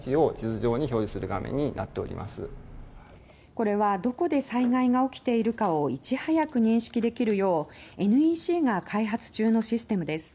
これはどこで災害が起きているかをいち早く認識できるようＮＥＣが開発中のシステムです。